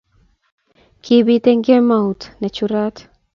kibiit eng kemout ne churat